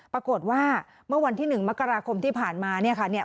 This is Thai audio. ปรากฏว่าเมื่อวันที่๑มกราคมที่ผ่านมาเนี่ยค่ะ